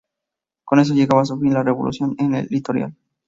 Con eso llegaba a su fin la revolución en el litoral.